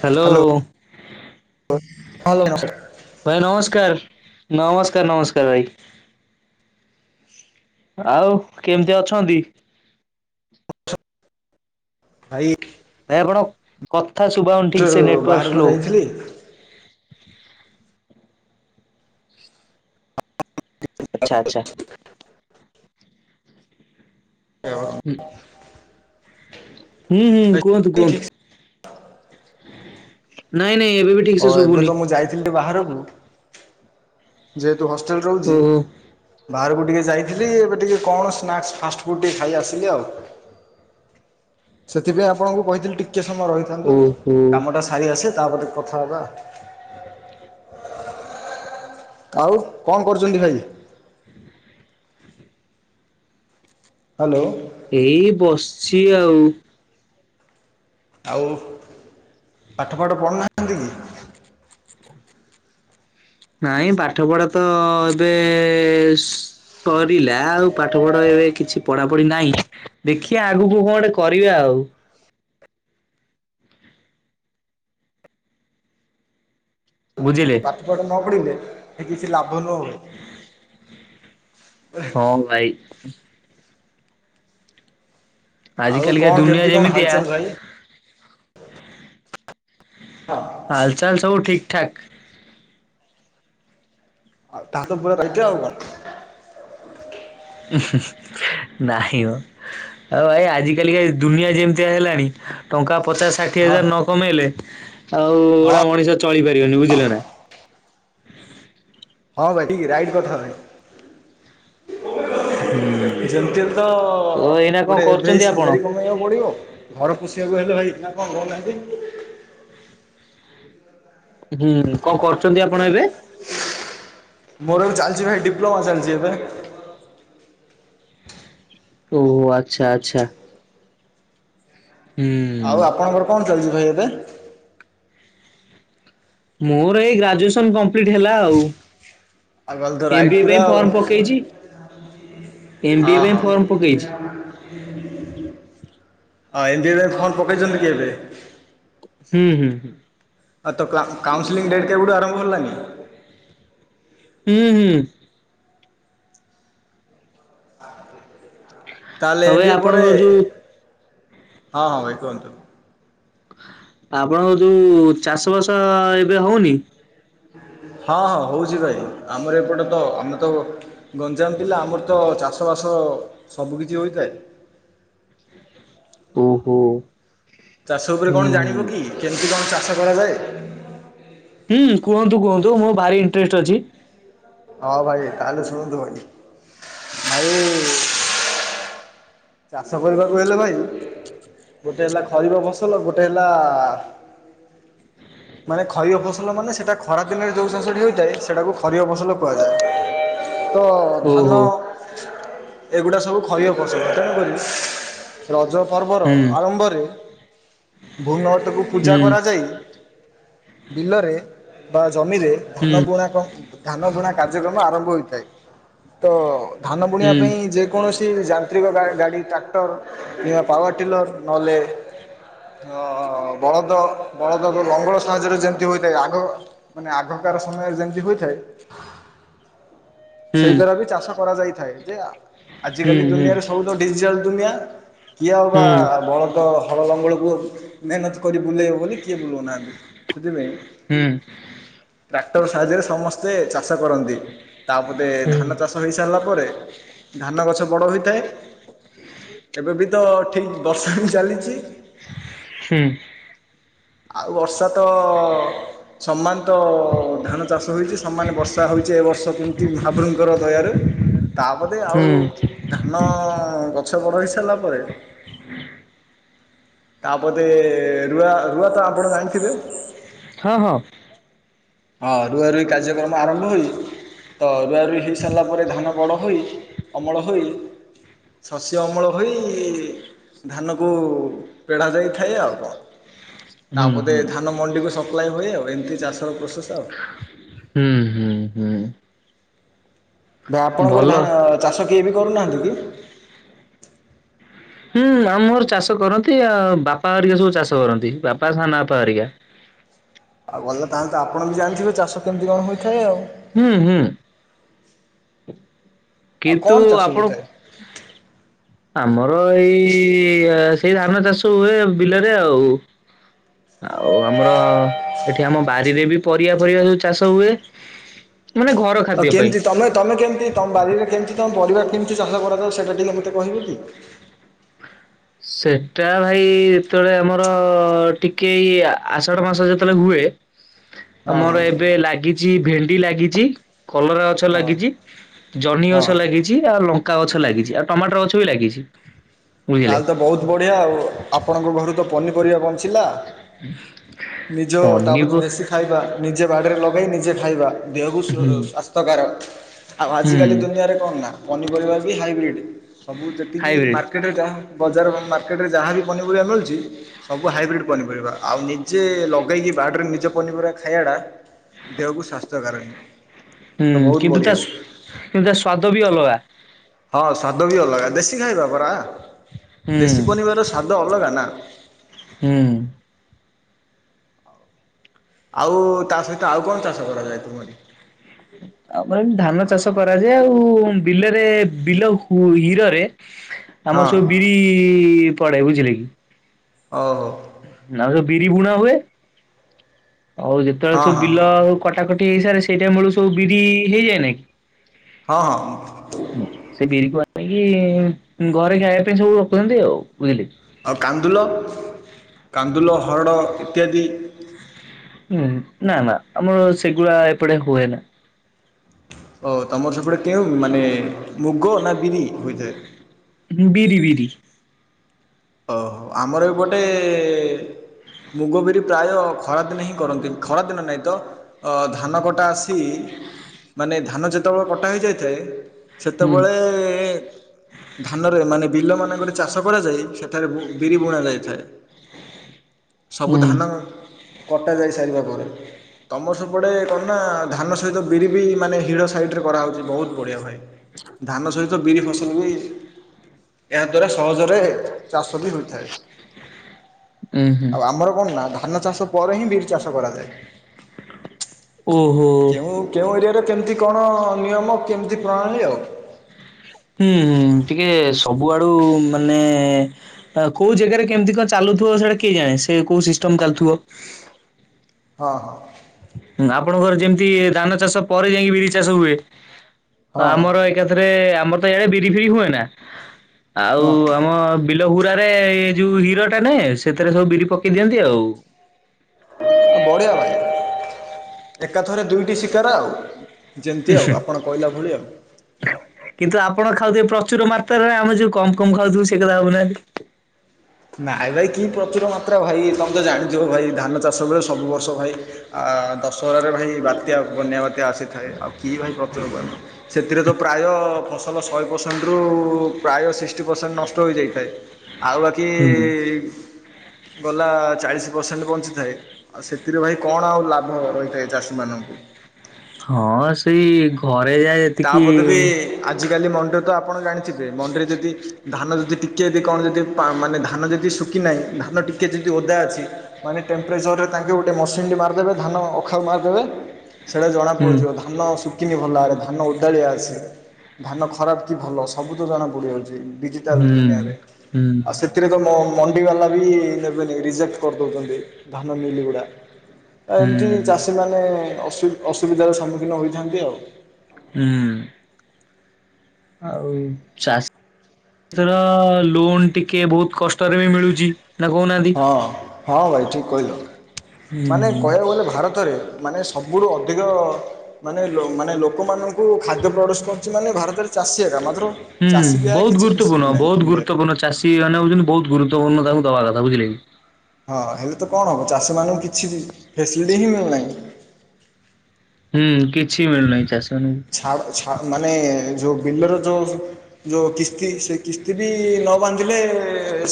Hello. Hello ନମସ୍କାର। ଭାଇ ନମସ୍କାର। ନମସ୍କାର ନମସ୍କାର ଭାଇ। ଆଉ କେମିତି ଅଛନ୍ତି? ଭାଇ ଭାଇ ଆପଣ ଙ୍କ କଥା ଶୁଭାଯାଉନି ଠିକ୍ ସେ ନେଟୱାର୍କ ବାହାରକୁ ସ୍ଲୋ। ଯାଇଥିଲି ଆଚ୍ଛା ଆଚ୍ଛା ହ ହୁଁ ହୁଁ ହୁଁ କୁହନ୍ତୁ କୁହନ୍ତୁ। ଠିକ୍ ନାଇଁ ନାଇଁ ଏବେ ବି ଠିକ ଓ ସେ ଏବେ ଶୁଭୁନି ତ ମୁଁ ଯାଇଥିଲି ଟିକେ ବାହାରକୁ। ଯେହେତୁ ହଷ୍ଟେଲ ରେ ରହୁଚି। ଓହୋ ବାହାରକୁ ଟିକେ ଯାଇଥିଲି ଏବେ ଟିକେ କଣ ସ୍ନାକ୍ସ ଫାଷ୍ଟଫୁଡ଼ ଟିକେ ଖାଇ ଆସିଲି ଆଉ। ସେଥିପାଇଁ ଆପଣଙ୍କୁ କହିଥିଲି ଟିକେ ସମୟ ରହିଥାନ୍ତୁ। ଓହୋ କାମଟା ସାରି ଆସେ ତାପରେ କଥା ହେବା। ଆଉ କଣ କରୁଚନ୍ତି ଭାଇ? ହାଲୋ। ଏଇ ବସିଛି ଆଉ। ଆଉ ପାଠପଢଠ ପଢ଼ୁନାହାନ୍ତି କି? ନାଇଁ ପାଠ ପଢା ତ ଏବେ ସରିଲା ଆଉ ପାଠ ପଢ ଏବେ କିଛି ପଢା ପଢି ନାହିଁ। ଦେଖିବା ଆଗକୁ କଣେ କରିବା ଆଉ। ବୁଝିଲେ। ସେପଟ ନ ପଢିଲେ ସେ କିଛି ଲାଭ ନ ହୁଏ। ହଁ ଭାଇ। ଆଜ ଆଉ କାଲିକା କଣ ଦୁନିଆ କେମିତି କଣ ଯେମିତିଆ। ହାଲଚାଲ ଭାଇ? ହାଲଚାଲ ସବୁ ଠିକ ଠାକ। ଉ ତା ତ ପ ରଇଛି ବା [unintelligible] ନାହିମ। ଆଉ ଭାଇ ଆଜିିକାଲ ଦୁନିଆ ଯେମିତି ହେଲାଣି ଟଙ୍କା ପଚାଶ ଷାଠିଏ ହଁ ହଜାର ନ କମେଇଲେ ଆଉ ହଁ ଗୁଡା ମଣିଷ ଚଳିପାରିବନି ବୁଝିଲ ନା। ହଁ ଭାଇିକ ରାଇଟ୍ କଥା ଭଇ ହ ଯେମତିମ ତ କଣ ଗୋଟେ ଏଭ କରୁଛନ୍ତି ଆପଣ? ସାଲାରୀ କମେଇବାକୁ ପଡିବ। ଘର ପୋଷିବାକୁ ହେଲେ ଭାଇ ନା କଣ କହୁନାହାନ୍ତି। ହୁଁ କଣ କରୁଛନ୍ତି ଆପଣ ଏବେ। ମୋର ଚାଲିଛି ଭାଇ ଡିପୋଲୋମା ଚାଲିଛି ଏବେ। ଓହୋ ଆଚ୍ଛା ଆଚ୍ଛା। ହୁଁ। ଆଉ ଆପଣଙ୍କର କଣ ଚାଲିଛି ଭାଇ ଏବେ। ମୋର ଏଇ ଗ୍ରାଜୁଏସନ କମ୍ପ୍ଲିଟ ହେଲା ଆଉ ଆଉ ଗଲି ତ ରାଇଟ୍ ଏମବିଏ ପୁରା ପାଇଁ ଆଉ ଫର୍ମ ପକେଇଛି। ଏମବିଏ ହଁ ପାଇଁ ହଁ ଫର୍ମ ପକେଇଛି। ହଁ ଏମବିଏ ପାଇଁ ଫରମ ପକେଇଛନ୍ତି କି ଏବେ। ହୁଁ ହୁଁ ହୁଁ। ହଁ ତ କାଉସେଲିଂ ଡେଟ୍ କେବଠୁ ଆରମ୍ଭ ହେଲାନି। ହୁଁ ହୁଁ। ତାହେଲେ ଆଉ ଏମ୍ ବି ଏ ପରେ ଆପଣଙ୍କର ଯୋଉ ହଁ ହଁ ଭାଇ କୁହନ୍ତୁ। ଆପଣଙ୍କ ଯୋଉ ଚାଷ ବାସ ଏବେ ହଉନି। ହଁ ହଁ ହଉଛି ଭାଇ ଆମର ଏପଟେ ତ ଆମେ ତ ଗଞ୍ଜାମ ଜିଲ୍ଲା ଆମର ତ ଚାଷ ବାସ ସବୁ କିିଛି ହୋଇଥାଏ। ଓହୋ ଚାଷ ଉପରେ କଣ ଜାଣିବ ହୁଁ କି କେମିତି କଣ ଚାଷ କରାଯାଏ। ହୁଁ କୁହନ୍ତୁ କୁହନ୍ତୁ ମୋ ଭାରି ଇଣ୍ଟରେଷ୍ଟ ଅଛି। ହଁ ଭାଇ ତାହଲ ଶଣନ୍ତୁ ଭାଇ ଆଉ ଚାଷ କରିବାକୁ ହେଲେ ଭାଇ। ଗୋଟେ ହେଲା ଖରିବା ଫସଲ ଗୋଟେ ହେଲା ହ ମାନେ ଖରିଫ ଫସଲ ମାନେ ସେଟା ଖରା ଦିନରେ ଯୋଉ ଜିନିଷଟି ହେଉଥାଏ ସେଟାକୁ ଖରିଆ ଫସଲ କୁହାଯାଏ। ତ ଧାନ ଓହୋ ଏଗୁଡ଼ା ସବୁ ଖରିପ୍ ପସଲ ତେଣୁକରି ରଜ ପର୍ବର ହୁଁ ଆରମ୍ଭରେ ଭୂମ ପୂଜା ହୁଁ କରାଯାଇ ବିଲରେ ବା ଜମିରେ ହୁଁ ଧାନ ବୁଣା କ ଧାନ ବୁଣା କାର୍ଯ୍ୟକ୍ରମ ଆରମ୍ଭ ହୋଇଥାଏ ତ ଧାନ ବୁଣିବା ହୁଁ ପାଇଁ ଯେ କୌଣସି ଯାନ୍ତ୍ରିକ ଗାଡ଼ି ଟ୍ରାକ୍ଟର କିମ୍ବା ପାୱାର ଟିଲର୍ ନହେଲେ ଓ ବଳଦ ବଳଦ ଲଙ୍ଗଳ ସାହାଯ୍ୟରେ ଯେମତି ହୋଇଥାଏ ଆଗ ମାନେ ଆଗକାର ସମୟରେ ଯେମିତି ହୋଇଥାଏ। ହୁଁ ସେଇ ଦ୍ଵାରା ବି ଚାଷ କରାଯାଇଥାଏ ଯେ ହୁଁ ହୁଁ ଆଜିିକାଲି ହୁଁ ଦୁନିଆରେ ବହୁତ ଡିଜିଟାଲ ଦୁନିଆ କିଏ ହଉ ବା ହୁଁ ହୁଁ ହୁଁ ବଳ ତ ହଳ ଲଙ୍ଗଳକୁ ମେହନତ କରି ବୁଲେଇବ ବୋଲି କିଏ ବୁଲଉନାହାନ୍ତି ସେଥିପାଇଁ ହୁଁ। ଟ୍ରାକ୍ଟର ସାହାଯ୍ୟରେ ସମସ୍ତେ ଚାଷ କରନ୍ତି ତାପରେ ହଁ ହୁଁ ଧାନ ଚାଷ ହେଇସାରିଲା ପରେ ଧାନ ଗଛ ବଡ଼ ହୋଇଥାଏ। ଏବେ ବି ତ ଠିକ୍ ବର୍ଷା ହି ଚାଲିଛି। ହୁଁ। ଆଉ ବର୍ଷା ତ-ଅ-ଅ-ଅ ସମାନ। ତ-ଅ-ଅ-ଅ ଧାନ ଚାଷ ହୋଇଛି ସମାନ ବର୍ଷା ହଉଛି ଏ ବର୍ଷ କେମିତି ମହାପ୍ରଭୁଙ୍କର ଦୟାରୁ। ତାପରେ ଆଉ ହୁଁ ଧାନ-ଅ-ଅ-ଅ ଗଛ ବଡ ହେଇ ସାରିଲା ପରେ ତାପରେ ରୁଆ ରୁଆ ତ ଆପଣ ଜାଣିଥିବେ? ହଁ ହଁ। ହଁ ରୁଆ ରୁଇ କାର୍ଯ୍ୟକ୍ରମ ଆରମ୍ଭ ହୋଇଛି? ତ ରୁଆ ରୁଇ ହେଇସାରିଲା ପରେ ଧାନ ବଡ଼ ହୋଇ, ଅମଳ ହୋଇ ଶସ୍ୟ ଅମଳ ହୋଇ-ଇ-ଇ-ଇ ଧାନକୁ ପେଢ଼ା ଯାଇଥାଏ ଆଉ କଣ। ତାପରେ ହୁଁ ଧାନ ମଣ୍ଡି କୁ ସପ୍ଲାଏ ହୁଏ ଆଉ ଏମିତି ଚାଷ ପ୍ରୋସେସ ଆଉ। ହୁଁ ହୁଁ ହୁଁ। ଭାଇ ଆପଣଙ୍କର ଭଲ ଧାନ-ଅ-ଅ ଚାଷ କିଏ ବି କରୁନାହାନ୍ତି କି? ହୁଁ ଆ ମୋର ଚାଷ କରନ୍ତି ଆ-ଆ-ଆ ବାପା ହେରିକା ସବୁ ଚାଷ କରନ୍ତି। ବାପା, ସାନ ବାପା ହେରିକା ଆଉ ଭଲ ପାଆନ୍ତୁ ଆପଣ ବି ଜାଣିଥିବେ ଚାଷ କେମିତି କଣ ହୋଇଥାଏ ଆଉ। ହୁଁ ହୁଁ ଆଉ କିନ୍ତୁ କଣ ଚାଷ ଆପଣ ହୋଇଥାଏ? ଆମର ଏଇ-ଇ-ଇ-ଇ ଏ ସେଇ ଧାନ ଚାଷ ହୁଏ ବିଲରେ ଆଉ। ଆଉ ଆମର ଏଠି ଆ ବାରିରେ ବି ପରିବା ଫରିବା ସବୁ ଚାଷ ହୁଏ। ମାନେ ଘର ଆଉ ଖାଦ୍ୟ ପାଇଁ। କେମିତି ତମେ ତମେ କେମିତି ତମ ବାରିରେ କେମିତି କଣ ପରିବା କେମିତି ଚାଷ କରାଯାଉ ସେଇଟା ଟିକେ ମୋତେ କହିବେ କି? ସେଟା ଭାଇ ଯେତେବେଳେ ଆମର-ଅ-ଅ-ଅ ଟିକେ ଇଏ ଆ-ଆ ଆଷାଢ ମାସ ଯେତେବେଳେ ହୁଏ। ହଁ ହଁ ଆମର ଏବେ ଲାଗିଛି ଭେଣ୍ଡି ଲାଗିଛି କଲରା ଗଛ ହଁ ଲାଗିଛି ଜହ୍ନି ଗଛ ହଁ। ଲାଗିଛି, ଆଉ ଲଙ୍କା ଗଛ ଲାଗିଛି, ଆଉ ଟମାଟର ଗଛ ବି ଲାଗିଛି। ବୁଝିଲେ। ତାହେଲେ ତ ବହୁତ ବଢ଼ିଆ ଆଉ ଆପଣଙ୍କ ଘରୁ ତ ପନିପରିବା ବଞ୍ଚିଲା। ନିଜ ପନିପ ତାପତି ହୁଁ ଦେଶୀ ଖାଇବା ନିଜେ ବାଡିରେ ଲଗେଇ ନିଜେ ଖାଇବା। ଦେହକୁ ସ୍ଵ ସ୍ୱାସ୍ଥ୍ୟକାର ଅଟେ। ଆଉ ହୁଁ ଆଜିକାଲି ଦୁନିଆରେ କଣ ନା ପନିପରିବା ବି ହାଇବ୍ରିଡ଼୍ ସବୁ ଯେତିକି ହାଇବ୍ରିଡ ମା ମାର୍କେଟରେ ଯାହା ବଜାର ମାର୍କେଟରେ ଯାହାବି ପନି ପରିବା ମିଳୁଛି ସବୁ ହାଇବ୍ରିଡ ପନିପରିବା ଆଉ ନିଜେ ଲଗେଇକି ବାଡିରେ ନିଜ ପନିପରିବା ଖାଇବା ଟା ଦେହକୁ ସ୍ୱାସ୍ଥ୍ୟ କାରକ। ହୁଁ କିନ୍ତୁ ତା ସୁ କିନ୍ତୁ ତା ସ୍ଵାଦ ବି ଅଲଗା। ହଁ ସ୍ବାଦ ବି ଅଲଗା ଦେଶୀ ଖାଇବା ପରା। ହୁଁ ଦେଶୀ ପନିବାର ସ୍ୱାଦ ଅଲଗା ନା। ହୁଁ। ଆଉ-ଉ-ଉ ତା ସହିତ ଆଉ କଣ ଚାଷ କରାଯାଏ ତୁମରି? ଆମର ଏମିତି ଧାନ ଚାଷ କରାଯାଏ ଆଉ-ଉ-ଉ ବିଲରେ ବିଲ ହୁ ହିରରେ ହଁ ଆମର ସବୁ ବିରି-ଇ-ଇ-ଇ ପଡେ ବୁଝିଲେ କି? ଓ ହୋ। ନା ସବୁ ବିରି ବୁଣା ହୁଏ। ଆଉ ଯେତେବେଳେ ହଁ ସବୁ ହଁ ବିଲ-ଅ-ଅ କଟାକଟି ହେଇସାରେ ସେଇଟା ମୂଳୂ ସବୁ ବିରି ହେଇଯାଏ ନାଇଁ କି। ହଁ। ସେ ବିରି କ [unintelligible] ପାଇଁ-ଇ-ଇ-ଇ ଘରେ ଖାଇବା ପାଇଁ ସବୁ ରଖୁଛନ୍ତି ଆଉ ବୁଝିଲେ। ଆଉ କାନ୍ଦୁଲ କାନ୍ଦୁଲ, ହରଡ଼ ଇତ୍ୟାଦି। ହ ହୁଁ, ନା ନା, ଆମର ସେଗୁଡ଼ା ଏପଟେ ହୁଏ ନା। ଓ ତମର ସେପଟେ କେଉ ମାନେ ମୁଗ ନା ବିରି ହୋଇଥାଏ? ହଁ ବିରି ବିରି। ଓହୋ ଆମର ଏପଟେ ମୁଗ ବିରି ପ୍ରାୟ ଖରାଦିନ ହିଁ କରନ୍ତି। ଖରାଦିନ ନାହିଁ ତ ଧାନ କଟା ଆସି ମାନେ ଧାନ ଯେତେବେଳେ କଟା ହୋଇଯାଇଥାଏ। ହୁଁ ସେତେବେଳେ ଧାନରେ, ମାନେ ବିଲ ମାନଙ୍କରେ ଚାଷ କରାଯାଏ। ବିରି ବୁଣା ଯାଇଥାଏ। ସବୁ ହୁଁ ଧାନ କଟା ଯାଇସାରିବା ପରେ। ତମର ସବୁପଡ଼େ କଣ ନା ଧାନ ସହିତ ବିରି ବି ମାନେ ହିଡ଼ ସାଇଡରେ କରାହେଉଛି ବହୁତ ବଢ଼ିଆ ଭାଇ। ଧାନ ସହିତ ବିରି ଫସଲ ବି ଏହା ଦ୍ଵାରା ସହଜରେ ଚାଷ ବି ହୋଇଥାଏ। ଉଁ ହୁଁ ଆଉ ଆମର କଣ ନା ଧାନଚାଷ ପରେ ହିଁ ବିରି ଚାଷ କରାଯାଏ। ଓହୋ। କେଉଁ କେଉଁ ଏରିଆରେ କେମିତି କଣ ନିୟମ କେମିତି ପ୍ରଣାଳୀ ଆଉ ହୁଁ ହୁଁ ଟିକେ ସବୁଆଡୁ ମାନେ ଆ କୋଉ ଜାଗାରେ କେମିତି କଣ ଚାଲୁଥିବ ସେଇଟା କିଏ ଜାଣେ? ସେ କୋଉ ସିଷ୍ଟମ ଚାଲୁଥିବ। ହଁ ହଁ। ଆପଣଙ୍କର ଯେମିତି ଧାନଚାଷ ପରେ ଯାଇକି ବିରିଚାଷ ହୁଏ। ହଁ ଆମର ଏକାଥରେ ଆମର ତ ଇଆଡେ ବିରି ଫିରି ହୁଏ ନା, ଆଉ ହଁ ଆମ ବିଲ ହୁରାରେ ଏ ଯୋଉ ହିରଟା ନେ ସେଥିରେ ସବୁ ବିରି ପକେଇ ଦିଅନ୍ତି ଆଉ ବଢିଆ ଭାଇ ଏକାଥରେ ଦୁଇଟି ଶିକାର ଆଉ ଯେମିତି ଆଉ ଆପଣ କହିଲା ଭଳି ଆଉ। କିନ୍ତୁ ଆପଣ ଖାଉଥିବେ ପ୍ରଚୁର ମାତ୍ରାରେ ଆମେ ଯୋଉ କମ କମ ଖାଉଥିବୁ ସେ କଥା ଭାବୁନାହାନ୍ତି। ନାଇଁ ଭାଇ କି ପ୍ରଚୁର ମାତ୍ରା ଭାଇ ତମେ ତ ଜାଣିଥିବ ଭାଇ ଧାନଚାଷ ବେଳେ ସବୁ ବର୍ଷ ଭାଇ। ଆ ଦଶହରାରେ ଭାଇ ବାତ୍ୟା ବନ୍ୟା ବାତ୍ୟା ଆସିଥାଏ। ଆଉ କିଏ ଭାଇ ପ୍ରଚୁର ସେଥିରେ ତ ପ୍ରାୟ ଫସଲ ଶହେ ପରସେଣ୍ଟରୁ ପ୍ରାୟ ସିକ୍ସଟି ପରସେଣ୍ଟ ନଷ୍ଟ ହୋଇଯାଇଥାଏ। ଆଉ ବାକି ହୁଁ ଗଲା ଚାଳିଶ ପରସେଣ୍ଟ ବଞ୍ଚିଥାଏ। ଆଉ ସେଥିରେ ଭାଇ କଣ ଆଉ ଲାଭ ରହିଥାଏ ଚାଷୀମାନଙ୍କୁ? ହଁ ସେଇ ଘରେ ଯା ତା ପଦ ବି ଆଜ କାଲି ମଣ୍ଡିରେ ତ ଆପଣ ଜାଣିଥିବେ ମଣ୍ଡିରେ ଯଦି ଧାନ ଯଦି ଟିକେ ଯଦି କଣ ଯଦି ମାନେ ଧାନ ଯଦି କି ନାହିଁ ଧାନ ଟିକେ ଯଦି ଓଦା ଅଛି ମାନେ ଟେମ୍ପରେଚରରେ ତାଙ୍କେ ଗୋଟେ ମସିନ୍ ଟି ମାରିଦେବେ ଧାନ ଅଖାକୁ ମାରିଦେବେ। ସେଇଟା ଜଣା ହୁଁ ପଡିଯିବ ଧାନ ଶୁକିନି ଭଲ ଭାବରେ ଧାନ। ଧାନ ଓଦାଳିଆ ଅଛି ଧାନ ଖରାପ କି ଭଲ ସବୁ ତ ଜଣାପଡ଼ିଯାଉଛି। ଡିଜିଟାଲ ହୁଁ ଦୁନିଆରେ, ହୁଁ ଆଉ ସେ ସେଥିରେ ତ ମଣ୍ଡିବାଲା ବି ନେବେନି ରିଜେକ୍ଟ କରିଦେଉଛନ୍ତି ଧାନ ମିଲ୍ ଗୁଡ଼ା। ଆ ଏମିତି ହୁଁ। ଚାଷୀମାନେ ଅସୁ ଅସୁବିଧାର ସମ୍ମୁଖୀନ ହୋଇଥାନ୍ତି ଆଉ। ହୁଁ। ଆଉ ଚାଷ ଏଥର ଲୋନ ଟିକେ ବହୁତ କଷ୍ଟରେ ବି ମିଳୁଛି ନା କହୁନାହାନ୍ତି। ହଁ ହଁ ହଁ ଭାଇ ଠିକ କହିଲ, ମାନେ କହିବାକୁ ଗଲେ ଭାରତରେ ମାନେ ସବୁଠୁ ଅଧିକ ମାନେ ମାନେ ଲୋକମାନଙ୍କୁ ଖାଦ୍ୟ ପ୍ରଡୁସ ଚାଷୀମାନେ ଭାରତରେ ଚାଷୀ ଏକା ମାତ୍ର ହୁଁ ଚାଷୀକି ଆ କିଛି ଫ୍ୟାସିଲିଟି ନାହିଁ ଇଣ୍ଡିଆରେ। ଏଇମାନେ ହେଉଛନ୍ତି ବହୁ ଗରୁତ୍ୱପୂର୍ଣ୍ଣ ତାଙ୍କୁ ଦବା କଥା ବୁଝିଲେ କି। ହଁ ହେଲେ ତ କଣ ହେବ ଚାଷୀମାନଙ୍କୁ କିଛି ବି ଫେସିଲିଟି ହିଁ ମିଳୁନାହିଁ। ହୁଁ କିଛି ମିଳୁନାହିଁ ଚାଷୀମାନଙ୍କୁ। ଆଉ ଛ ମାନେ ଯେଉଁ ବିଲର ଯୋ ଯୋଉ କିସ୍ତି ସେ କିସ୍ତି ବି ନ ବାନ୍ଧିଲେ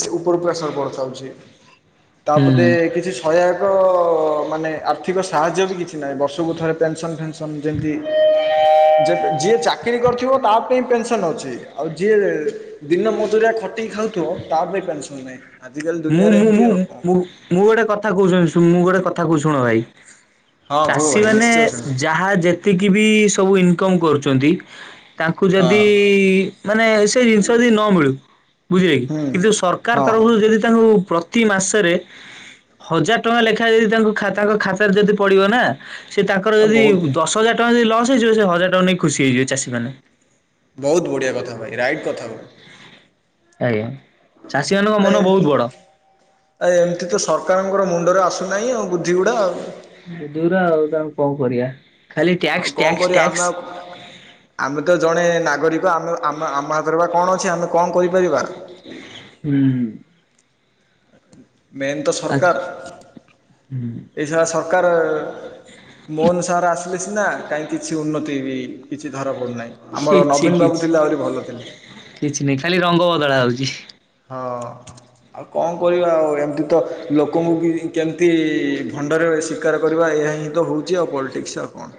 ସେ ଉପର ପ୍ରେସର ପଡ଼ିଥାଉଛି। [inaudible] ତା ହୁଁ ପଦେ କିଛିଶୁ ସହାୟକ ମାନେ ଆର୍ଥିକ ସାହାଯ୍ୟ ବି କିଛି ନାହିଁ ବର୍ଷକୁ ଥରେ ପେନସନ ଫେନସନ ସମ୍ଝନ୍ତି ଯେମିତି ଯିଏ ଚାକିରୀ କରିଥିବ ତା ପାଇଁ ପେନସନ ଅଛି ଆଉ ଯିଏ ଦିନ ମଜୁରଆ ଖଟିକି ଖାଉଥିବ ତା ପାଇଁ ପେନସନ ନାହିଁ ଆଜିକାଲି ମୁଁ ଦୁନିଆରେ ମୁଁ ଏମିତି ମୁଁ ଆଉ କଣ ମୁଁ କରିବା। ମୁଁ ଗୋଟେ କଥା କହୁଚନୀ ଶୁଣୁ ମୁଁ ଗୋଟେ କଥା କହୁ ଶୁଣ ଭାଇ ହଁ କୁହ ଚାଷୀ ଭାଇ ମାନେ ନିଶ୍ଚୟ ଶୁଣିବି ଯାହା ଯେତିକି ବି ସବୁ ଇନକମ କରୁଛନ୍ତି। ତାଙ୍କୁ ହଁ ଯଦି ମାନେ ସେ ଜିନିଷ ଯଦି ନ ମିଳୁ ବୁଝିଲେ କି ହୁଁ କିନ୍ତୁ ସରକାର ହଁ ତରଫରୁ ଯଦି ତାଙ୍କୁ ପ୍ରତି ମାସରେ ହଜାର ଟଙ୍କା ଲେଖାଏ ଯଦି ତାଙ୍କୁ ଖାତା କୁ ଖାତାରେ ଯଦି ପଡ଼ିବ ନା ସେ ତାଙ୍କର ଯଦି ବହୁତ ଦଶ ହଜାର ଟଙ୍କା ଯଦି ଲସ୍ ହେଇଯିବ ସେ ହଜାର ଟଙ୍କା ନେଇକି ଖୁସି ହେଇଯିବ ଚାଷୀ ମାନେ ବହୁତ ବଢ଼ିଆ କଥା ଭାଇ ରାଇଟ୍ କଥା କ ଆଜ୍ଞା ଚାଷୀ ମାନଙ୍କ ଆ ମନ ଏମତି ବହୁତ ବଡ ଆ ଏମିତି ତ ସରକାରଙ୍କର ମୁଣ୍ଡରେ ଆସୁନାହିଁ ଆଉ ବୁଦ୍ଧିଗୁଡ଼ା [unintelligible] କଣ କଣ କରିବା ଖାଲି ଆଉ ଟ୍ୟାକ୍ସ କଣ ଟ୍ୟାକ୍ସ କରିବା ଆମେ ଟ୍ୟାକ୍ସ ଆଉ ଆମେ ତ ଜଣେ ନାଗରିକ ଆମେ ଆମ ଆମ ହାତରେ ବା କଣ ଅଛି ଆମେ କଣ କରିପାରିବା? ହୁଁ ମେନ୍ ତ ଆ ସରକାର ଏଇସାରା ସରକାର ମୋହନ ସାର ଆସିଲେ ସିନା କାହିଁ କିଛି ଉନ୍ନତି ବି କିଛି ଧରା ପଡ଼ୁନାହିଁ ଆମର କିଛି ନବୀନ ବାବୁ କିଛି ଥିଲେ ଆହୁରି ଭଲ ଥିଲେ କିଛି ନାହିଁ ଖାଲି ରଙ୍ଗ ବଦଳା ହଉଛି ହଁ ଆଉ କଣ କରିବା ଆଉ ଏମିତି ତ ଲୋକଙ୍କୁ ବି କେମିତି ଭଣ୍ଡରେ ବେଶି ତ୍କାର କରିବା ଏହା ହିଁ ତ ହେଉଛି ଆଉ ପଲିଟିକ୍ସ ଆଉ କଣ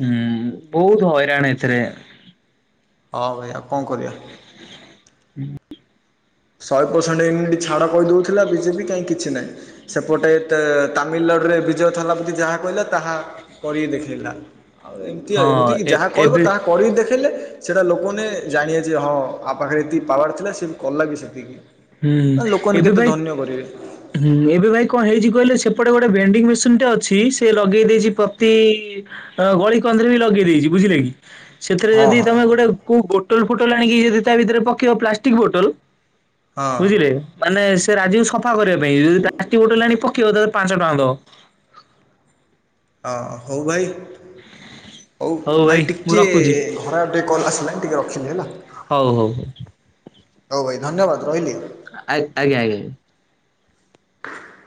ହୁଁ ବହୁତ ହଇରାଣ ଏଥିରେ ହଁ ଭାଇ ଆଉ କଣ କରିବା। ହୁଁ [unintelligible] ଶହେ ପରସେଣ୍ଟ ଏମ୍ଟି ଛାଡ଼ କହିଦଉଥିଲା ବିଜେପି କାହିଁ କିଛି ନାହିଁ ସେପଟେ କେ ତାମିଲନାଡୁରେ ବିଜୟ ଥାଲାପତି ଯାହା କହିଲା ତାହା କରିକି ଦେଖେଇଲା ଆଉ ଏମତି ହଁ ଆଉ ଏମିତି କିି ଏ ଯାହା କହିବ ଏବେ ତାହା କରିକି ଦେଖେଇଲେ ସେଇଟା ଲୋକମାନେ ଜାଣିବେ ଯେ ହଁ ଆ ପାଖରେ ଏତିକି ପାୱାର୍ ଥିଲା ସିଏ କଲା ବି ସେତିକି ହୁଁ ଏ ଲୋକମାନେ ଏବେ କେତେ ଭାଇ ଧନ୍ୟ କରିବେ। ହୁଁ ଏବେ ଭାଇ କଣ ହେଇଛି କହିଲେ ସେପଟେ ଗୋଟେ ଭେଣ୍ଡିଙ୍ଗ ମେସିନ ଟେ ଅଛି ସେ ଲଗେଇ ଦେଇଛି ପ୍ରତି ଅ ଗଳିକନ୍ଦିରେ ବି ଲଗେଇ ଦେଇଛି ବୁଝିଲେ କି ସେଥିରେ ହଁ ଯଦି ହଁ ତମେ ଗୋଟେ କୋଉ ବୋଟଲ ଫୋଟଲ ଆଣିକି ଯଦି ତା ଭିତରେ ପକେଇବ ପ୍ଲାଷ୍ଟିକ ବୋଟଲ ହଁ। ବୁଝିଲେ ମାନେ ସେ ରାଜିକୁ ସଫା କରିବା ପାଇଁ ଯଦି ପ୍ଲାଷ୍ଟିକ ବଟଲ୍ଟେ ଆଣି କି ପକେଇବ ତାହେଲେ ପାଞ୍ଚ ଟଙ୍କା ଦବ ହଁ ହଉ ଭାଇ ହଉ ଭାଇ ଟିକେ ଘର ଆଡୁ ଟିକେ କଲ ଆସିଲା ଟିକେ ରଖିଲି ହେଲା ହଉ ହଉ ହଉ ହଉ ଭାଇ ଧନ୍ୟବାଦ ରହିଲି ଆଜ୍ଞ ଆଞା ଆଜ୍ଞା